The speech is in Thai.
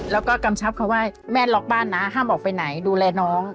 แล้วก็กำชับเขาว่าแม่ล็อกบ้านนะห้ามออกไปไหนดูแลน้อง